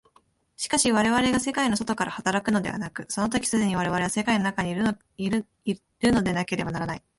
しかし我々が世界の外から働くのではなく、その時既に我々は世界の中にいるのでなければならない。